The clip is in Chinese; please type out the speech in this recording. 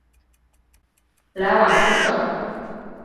莱瓦斯特尔。